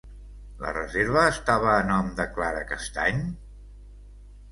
La reserva estava a nom de Clara Castany?